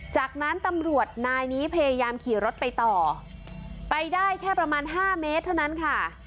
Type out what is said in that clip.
จากนั้นตำรวจนายนี้พยายามขี่รถไปต่อไปได้แค่ประมาณห้าเมตรเท่านั้นค่ะ